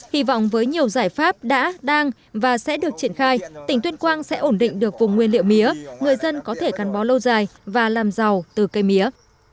hy vọng với nhiều giải pháp đã đang và sẽ được triển khai tỉnh tuyên quang sẽ ổn định được vùng nguyên liệu mía người dân có thể cắn bó lâu dài và làm giàu từ cây mía